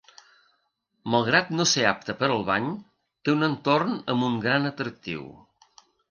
Malgrat no ser apta per al bany, té un entorn amb un gran atractiu.